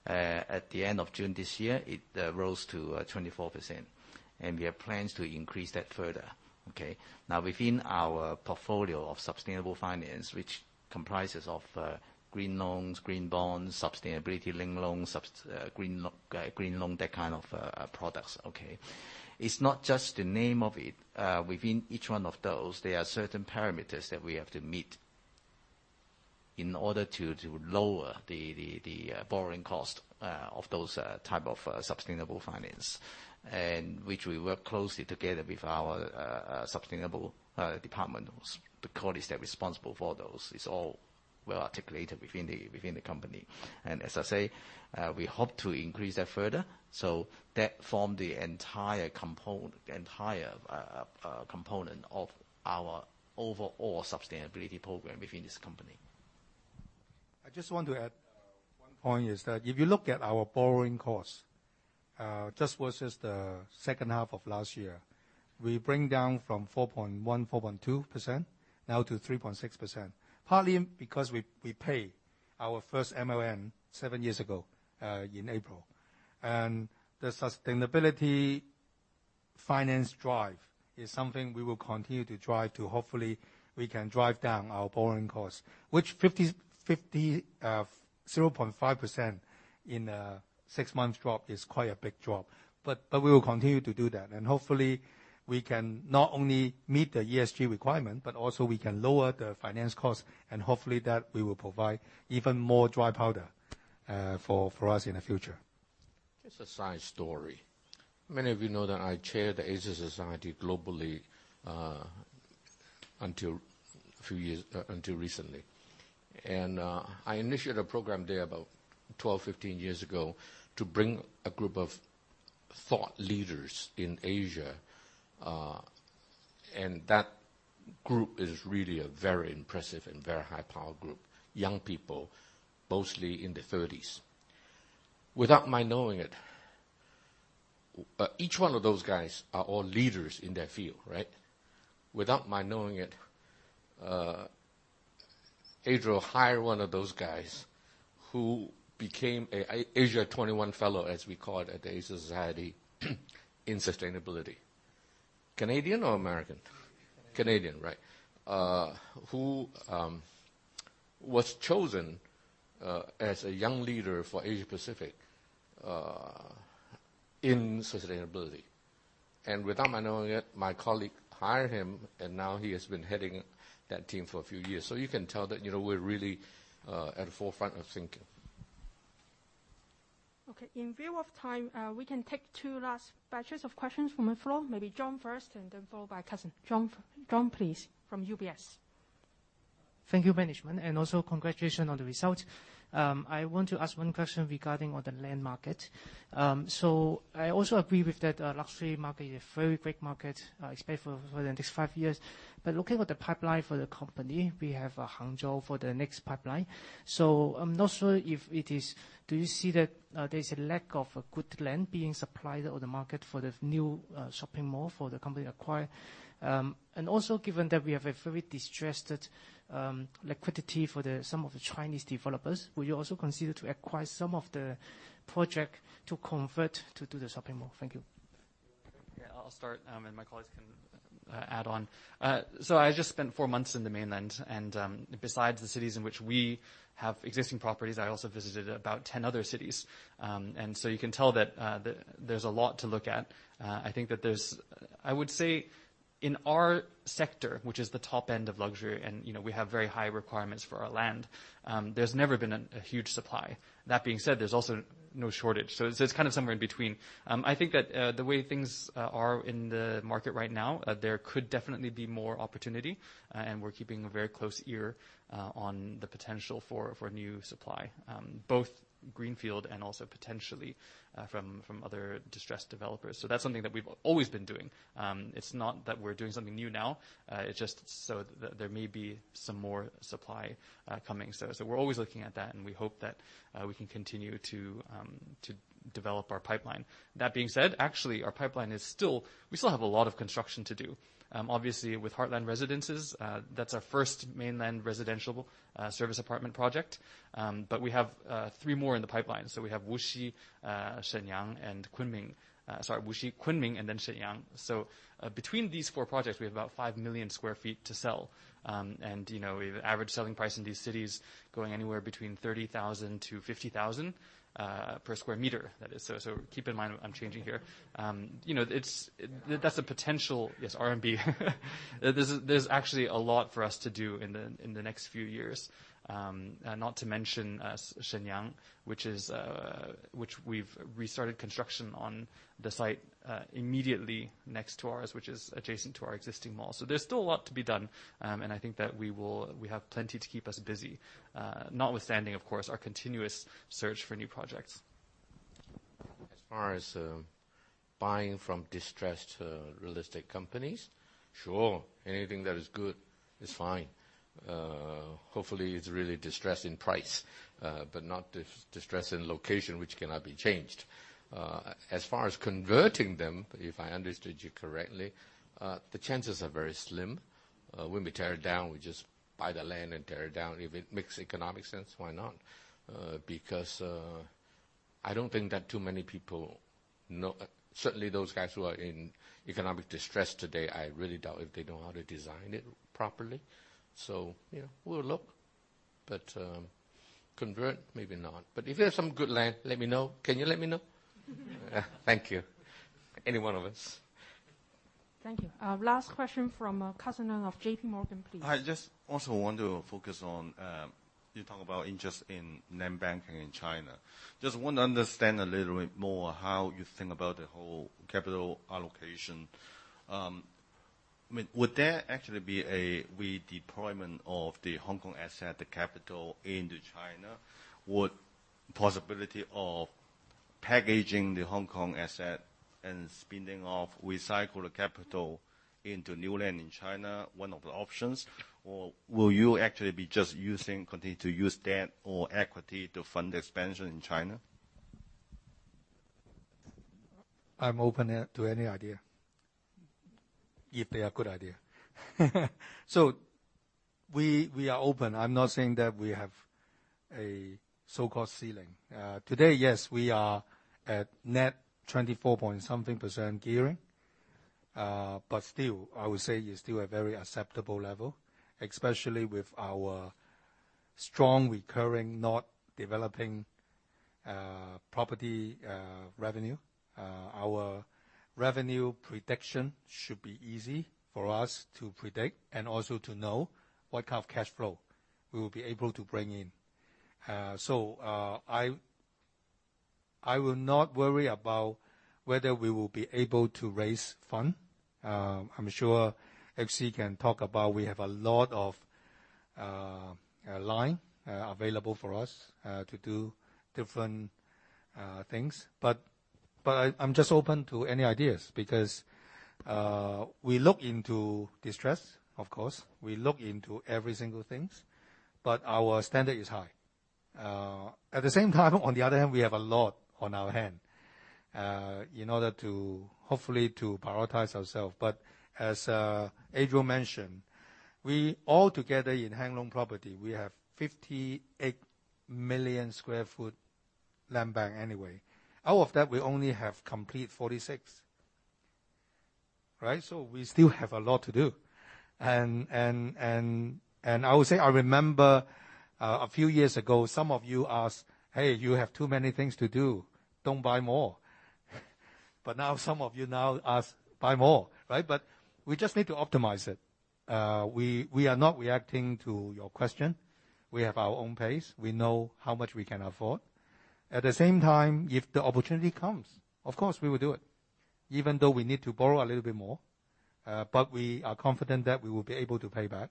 At the end of June this year, it rose to 24%. We have plans to increase that further. Within our portfolio of sustainable finance, which comprises of green loans, green bonds, sustainability linked loans, green loan, that kind of products. It's not just the name of it. Within each one of those, there are certain parameters that we have to meet in order to lower the borrowing cost of those type of sustainable finance, and which we work closely together with our sustainable department. The board is responsible for those. It's all well articulated within the company. As I say, we hope to increase that further. That form the entire component of our overall sustainability program within this company. I just want to add one point, is that if you look at our borrowing costs, just versus the second half of last year. We bring down from 4.1%, 4.2%, now to 3.6%. Partly because we pay our first SLL seven years ago, in April. The sustainability finance drive is something we will continue to try to hopefully we can drive down our borrowing costs, which 0.5% in a six months drop is quite a big drop. We will continue to do that, and hopefully we can not only meet the ESG requirement, but also we can lower the finance cost, and hopefully that will provide even more dry powder for us in the future. Just a side story. Many of you know that I chaired the Asia Society globally, until recently. I initiated a program there about 12, 15 years ago to bring a group of thought leaders in Asia. That group is really a very impressive and very high-power group. Young people, mostly in their 30s. Without my knowing it, each one of those guys are all leaders in their field, right? Without my knowing it, Adriel hired one of those guys who became a Asia 21 fellow, as we call it at the Asia Society in sustainability. Canadian or American? Canadian. Canadian, right. Who was chosen as a young leader for Asia Pacific, in sustainability. Without my knowing it, my colleague hired him, and now he has been heading that team for a few years. You can tell that, we're really at the forefront of thinking. Okay. In view of time, we can take two last batches of questions from the floor, maybe John first and then followed by Cusson Leung. John, please. From UBS. Thank you, management, and also congratulations on the results. I want to ask one question regarding on the land market. I also agree with that luxury market is a very big market, especially for the next five years. Looking at the pipeline for the company, we have Hangzhou for the next pipeline. I'm not sure Do you see that there's a lack of good land being supplied or the market for the new shopping mall for the company acquire? Also given that we have a very distressed liquidity for some of the Chinese developers, will you also consider to acquire some of the project to convert to do the shopping mall? Thank you. Yeah, I'll start. My colleagues can add on. I just spent four months in the mainland. Besides the cities in which we have existing properties, I also visited about 10 other cities. You can tell that there's a lot to look at. I think that there's, I would say, in our sector, which is the top end of luxury and we have very high requirements for our land, there's never been a huge supply. That being said, there's also no shortage. It's kind of somewhere in between. I think that the way things are in the market right now, there could definitely be more opportunity. We're keeping a very close ear on the potential for new supply, both greenfield and also potentially from other distressed developers. That's something that we've always been doing. It's not that we're doing something new now. It's just that there may be some more supply coming. We're always looking at that, and we hope that we can continue to develop our pipeline. That being said, actually, we still have a lot of construction to do. Obviously with Heartland Residences, that's our first mainland residential service apartment project. We have three more in the pipeline. We have Wuxi, Shenyang, and Kunming. Sorry, Wuxi, Kunming, and then Shenyang. Between these four projects, we have about five million sq ft to sell. We have an average selling price in these cities going anywhere between 30,000-50,000 per sq m, that is. Keep in mind I'm changing here. Yes, RMB. There's actually a lot for us to do in the next few years. Not to mention, Shenyang, which we've restarted construction on the site, immediately next to ours, which is adjacent to our existing mall. There's still a lot to be done, and I think that we have plenty to keep us busy. Notwithstanding, of course, our continuous search for new projects. As far as buying from distressed real estate companies. Sure. Anything that is good is fine. Hopefully it's really distressed in price, but not distressed in location, which cannot be changed. As far as converting them, if I understood you correctly, the chances are very slim. When we tear it down, we just buy the land and tear it down. If it makes economic sense, why not? I don't think that too many people know Certainly those guys who are in economic distress today, I really doubt if they know how to design it properly. Yeah, we'll look, but convert, maybe not. If you have some good land, let me know. Can you let me know? Thank you. Any one of us. Thank you. Last question from Cusson Leung of J.P. Morgan, please. I just also want to focus on, you talk about interest in land banking in China. Just want to understand a little bit more how you think about the whole capital allocation. Would there actually be a redeployment of the Hong Kong asset, the capital into China? Would possibility of packaging the Hong Kong asset and spinning off, recycle the capital into new land in China, one of the options? Will you actually be just continue to use debt or equity to fund expansion in China? I'm open to any idea, if they are good idea. We are open. I'm not saying that we have a so-called ceiling. Today, yes, we are at net 24.something% gearing. Still, I would say it's still a very acceptable level, especially with our strong recurring, not developing property revenue. Our revenue prediction should be easy for us to predict and also to know what kind of cash flow. We will be able to bring in. I will not worry about whether we will be able to raise fund. I am sure HC Ho can talk about. We have a lot of line available for us to do different things. I am just open to any ideas because we look into distress, of course, we look into every single thing. Our standard is high. At the same time, on the other hand, we have a lot on our hands. In order to, hopefully, to prioritize ourselves. As Adriel mentioned, we all together in Hang Lung Properties, we have 58 million sq ft land bank anyway. Out of that, we only have complete 46. Right? We still have a lot to do. I would say, I remember a few years ago, some of you asked, "Hey, you have too many things to do. Don't buy more." Now some of you now ask buy more, right? We just need to optimize it. We are not reacting to your question. We have our own pace. We know how much we can afford. At the same time, if the opportunity comes, of course, we will do it, even though we need to borrow a little bit more. We are confident that we will be able to pay back.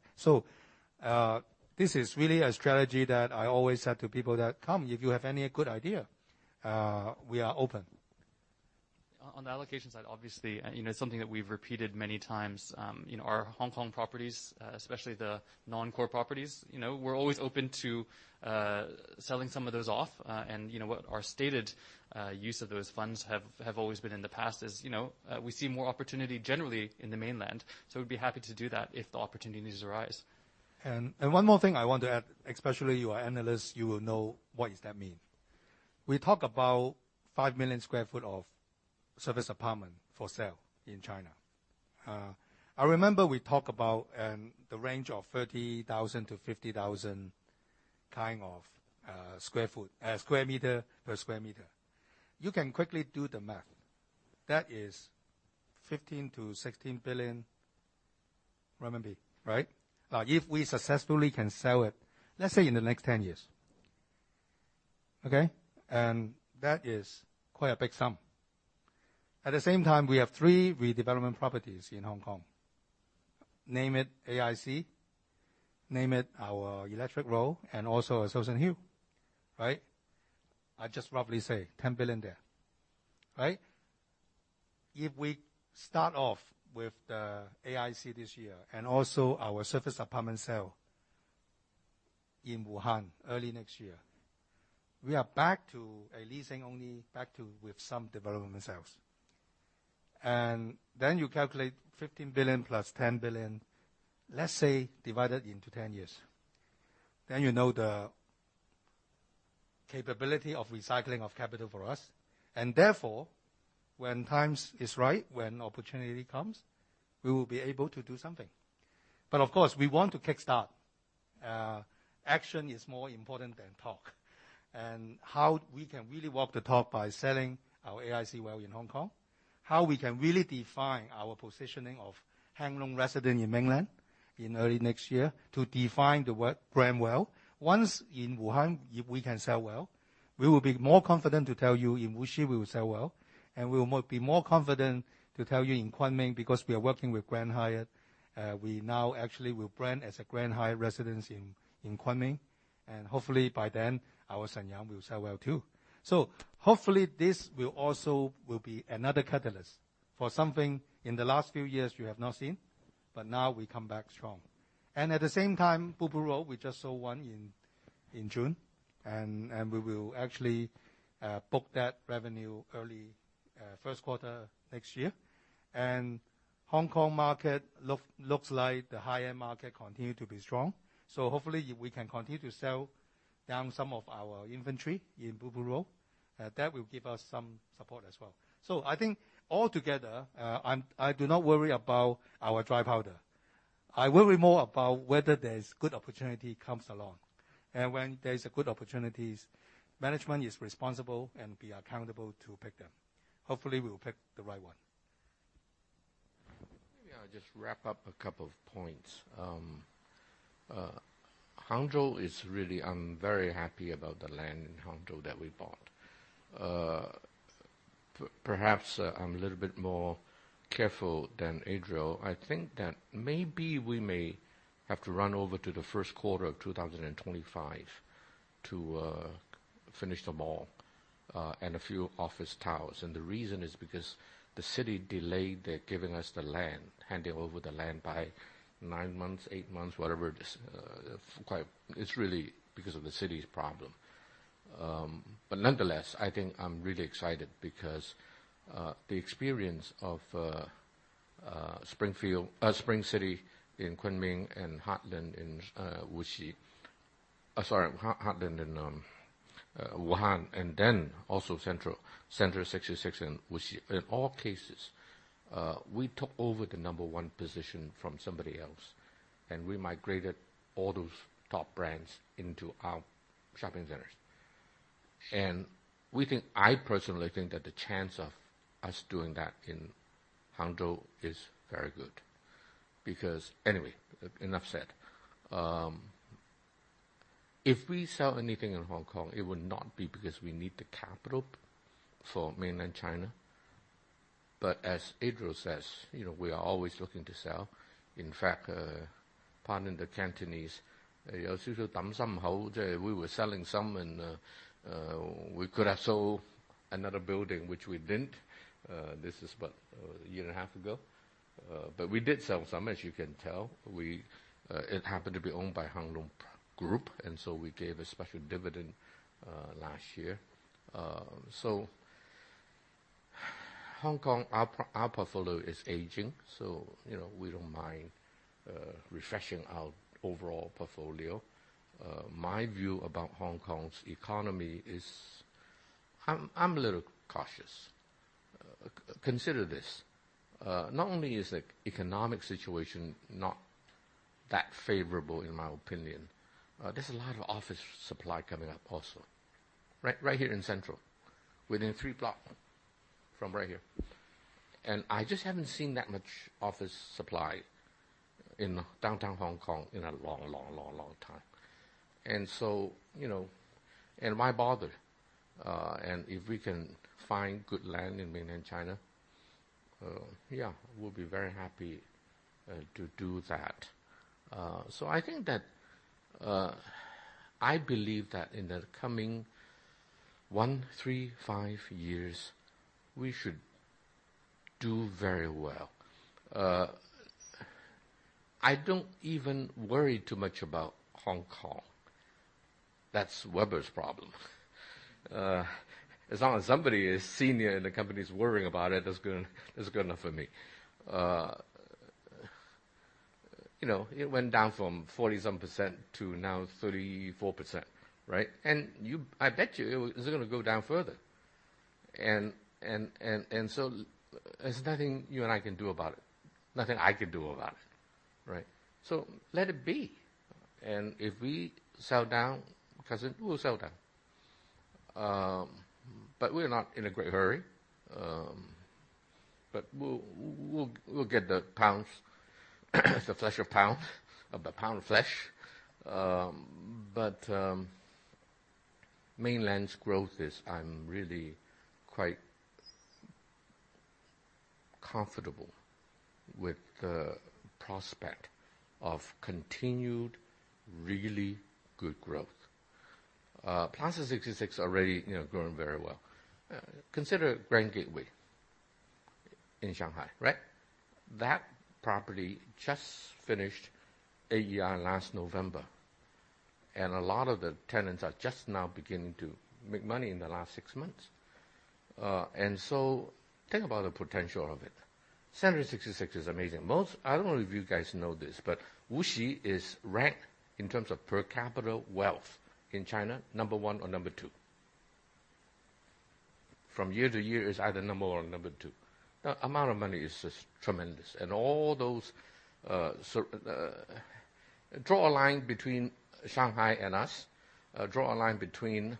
This is really a strategy that I always said to people that, "Come, if you have any good idea, we are open. On the allocation side, obviously, something that we've repeated many times, our Hong Kong properties, especially the non-core properties, we're always open to selling some of those off. What our stated use of those funds have always been in the past is, we see more opportunity generally in the mainland. We'd be happy to do that if the opportunities arise. One more thing I want to add, especially you are analysts, you will know what does that mean. We talk about five million sq ft of service apartment for sale in China. I remember we talk about the range of 30,000 to 50,000 sq m per sq m. You can quickly do the math. That is 15 billion-16 billion, right? If we successfully can sell it, let's say in the next 10 years. Okay. That is quite a big sum. At the same time, we have three redevelopment properties in Hong Kong. Name it AIC, name it our Electric Road, and also our Shouson Hill. Right. I just roughly say 10 billion there. Right. If we start off with the AIC this year, also our serviced apartment sale in Wuhan early next year, we are back to a leasing only, back to with some development sales. You calculate 15 billion plus 10 billion, let's say divided into 10 years. You know the capability of recycling of capital for us, when times is right, when opportunity comes, we will be able to do something. Of course, we want to kickstart. Action is more important than talk. How we can really walk the talk by selling our AIC well in Hong Kong, how we can really define our positioning of Hang Lung Residences in mainland in early next year to define the brand well. Once in Wuhan, if we can sell well, we will be more confident to tell you in Wuxi we will sell well, and we will be more confident to tell you in Kunming, because we are working with Grand Hyatt. We now actually will brand as a Grand Hyatt Residences in Kunming. Hopefully by then our Shenyang will sell well, too. Hopefully this will also be another catalyst for something in the last few years you have not seen, but now we come back strong. At the same time, Blue Pool Road, we just sold 1 in June. We will actually book that revenue early 1st quarter next year. Hong Kong market looks like the high-end market continue to be strong. Hopefully we can continue to sell down some of our inventory in Blue Pool Road. That will give us some support as well. I think altogether, I do not worry about our dry powder. I worry more about whether there is good opportunity comes along. When there's good opportunities, management is responsible and be accountable to pick them. Hopefully, we will pick the right one. Maybe I'll just wrap up a couple of points. Hangzhou is really I'm very happy about the land in Hangzhou that we bought. Perhaps I'm a little bit more careful than Adriel. I think that maybe we may have to run over to the first quarter of 2025 to finish the mall, and a few office towers. The reason is because the city delayed their giving us the land, handing over the land by nine months, eight months, whatever. It's really because of the city's problem. Nonetheless, I think I'm really excited because the experience of Spring City 66 in Kunming and Heartland in Wuxi Sorry, Heartland in Wuhan, and then also Center 66 in Wuxi. In all cases, we took over the number one position from somebody else, we migrated all those top brands into our shopping centers. I personally think that the chance of us doing that in Hangzhou is very good. Anyway, enough said. If we sell anything in Hong Kong, it would not be because we need the capital for mainland China. As Adriel says, we are always looking to sell. In fact, pardon the Cantonese, we were selling some, and we could have sold another building, which we didn't. This is what? A year and a half ago. We did sell some, as you can tell. It happened to be owned by Hang Lung Group. We gave a special dividend last year. Hong Kong, our portfolio is aging. We don't mind refreshing our overall portfolio. My view about Hong Kong's economy is, I'm a little cautious. Consider this. Not only is the economic situation not that favorable, in my opinion, there's a lot of office supply coming up also. Right here in Central, within three blocks from right here. I just haven't seen that much office supply in downtown Hong Kong in a long time. Why bother? If we can find good land in mainland China, yeah, we'll be very happy to do that. I think that, I believe that in the coming one, three, five years, we should do very well. I don't even worry too much about Hong Kong. That's Weber's problem. As long as somebody as senior in the company is worrying about it, that's good enough for me. It went down from 40-some percent to now 34%, right? I bet you it's going to go down further. There's nothing you and I can do about it. Nothing I can do about it. Right? Let it be. If we sell down, Cusson, we'll sell down. We're not in a great hurry. We'll get the pounds, the flesh of pounds, of the pound of flesh. Mainland's growth is I'm really quite comfortable with the prospect of continued, really good growth. Plaza 66 already growing very well. Consider Grand Gateway 66 in Shanghai, right? That property just finished AEI last November, and a lot of the tenants are just now beginning to make money in the last six months. Think about the potential of it. Center 66 is amazing. I don't know if you guys know this, Wuxi is ranked, in terms of per capita wealth in China, number one or number two. From year to year, it's either number one or number two. The amount of money is just tremendous. All those Draw a line between Shanghai and us. Draw a line between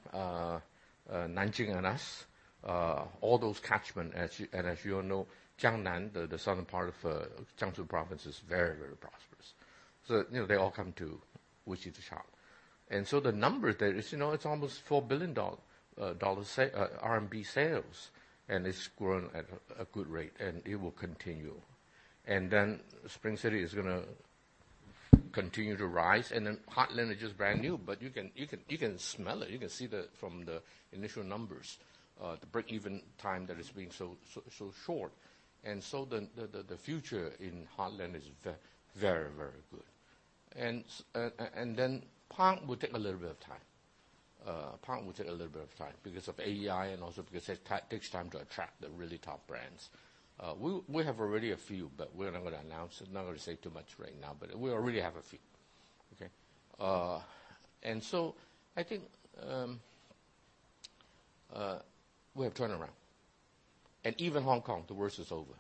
Nanjing and us. All those catchments. As you all know, Jiangnan, the southern part of Jiangsu province, is very prosperous. They all come to Wuxi to shop. The number there, it's almost RMB 4 billion sales. It's grown at a good rate, and it will continue. Spring City is going to continue to rise. Heartland is just brand-new, but you can smell it. You can see that from the initial numbers, the break-even time there is being so short. The future in Heartland is very good. Parc 66 will take a little bit of time. Parc 66 will take a little bit of time because of AEI and also because it takes time to attract the really top brands. We have already a few, but we're not going to announce it, not going to say too much right now. We already have a few. Okay. I think we have turned around. Even Hong Kong, the worst is over.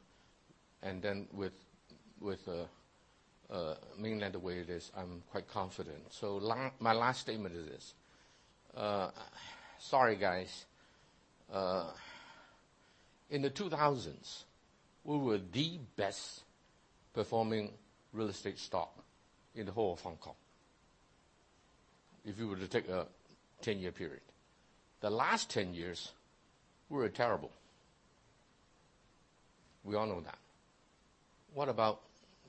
With the mainland the way it is, I'm quite confident. My last statement is this. Sorry, guys. In the 2000s, we were the best-performing real estate stock in the whole of Hong Kong, if you were to take a 10-year period. The last 10 years, we were terrible. We all know that. What about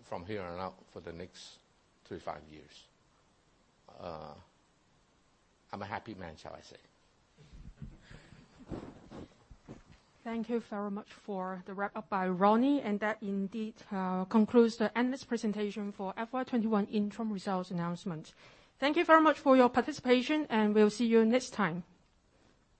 from here on out for the next three, five years? I'm a happy man, shall I say. Thank you very much for the wrap-up by Ronnie, and that indeed concludes the earnings presentation for FY 2021 interim results announcement. Thank you very much for your participation, and we'll see you next time.